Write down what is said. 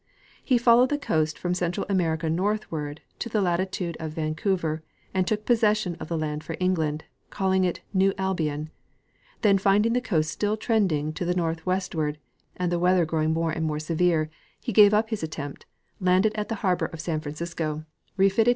He followed the coast from Central America northward to the latitude of Vancouver and took possession of the land for England, calling it New Albion ; then, finding the coast still trending to the northwest ward and the weather growing more and more severe, he gave up his attempt, landed at the harbor of San Francisco, refitted 16 Gardiner G. Hubbard — Discoverers of America.